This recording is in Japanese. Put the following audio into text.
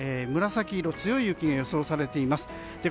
紫色、強い雪が予想されています。